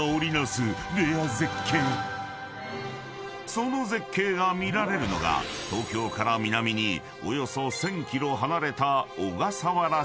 ［その絶景が見られるのが東京から南におよそ１，０００ｋｍ離れた］